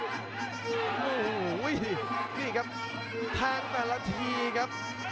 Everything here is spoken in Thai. โอ้โหนี่ครับแทงแต่ละทีครับ